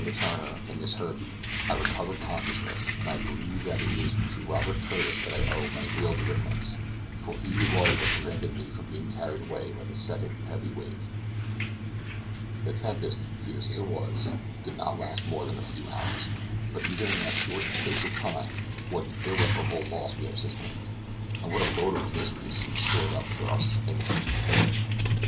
Letourneur and Miss Herbey, I recovered consciousness, but I believe that it is to Robert Curtis that I owe my real deliverance, for he it was that prevented me from being carried away by a second heavy wave. The tempest, fierce as it was, did not last more than a few hours; but even in that short space of time what an irreparable loss we have sustained, and what a load of misery seems stored up for us in the future!